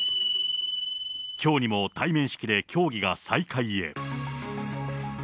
きょうにも対面式で協議が再開へ。